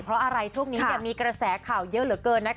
เพราะอะไรช่วงนี้มีกระแสข่าวเยอะเหลือเกิน